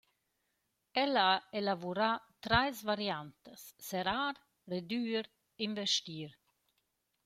Ella ha elavurà trais variantas: Serrar, redüer, investir.